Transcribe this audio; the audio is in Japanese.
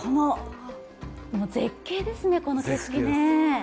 絶景ですね、この景色ね。